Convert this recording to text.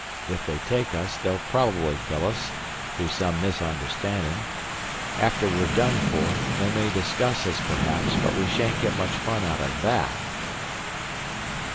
If they take us, they'll probably kill us, through some misunderstanding. After we're done for, they may discuss us perhaps, but we shan't get much fun out of that."